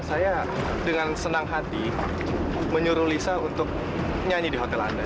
saya dengan senang hati menyuruh lisa untuk nyanyi di hotel anda